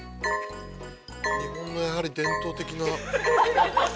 日本のやはり伝統的な。